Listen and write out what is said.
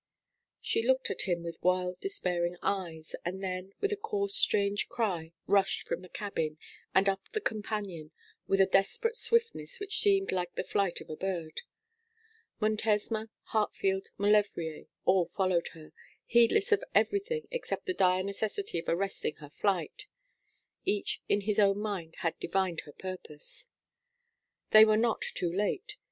She looked at him with wild despairing eyes, and then, with a hoarse strange cry, rushed from the cabin, and up the companion, with a desperate swiftness which seemed like the flight of a bird. Montesma, Hartfield, Maulevrier, all followed her, heedless of everything except the dire necessity of arresting her flight. Each in his own mind had divined her purpose. They were not too late.